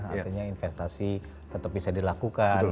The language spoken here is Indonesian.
artinya investasi tetap bisa dilakukan